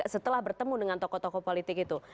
setelah bertemu dengan tokoh tokoh politik itu